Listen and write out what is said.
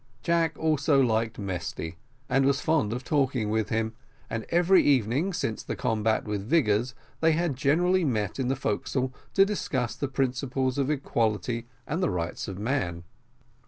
Jack also liked Mesty, and was fond of talking with him, and every evening, since the combat with Vigors, they had generally met in the forecastle to discuss the principles of equality and the rights of man.